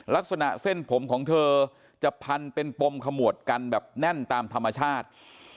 ลักษณะเส้นผมของเธอจะพันเป็นปมขมวดกันแบบแน่นตามธรรมชาติ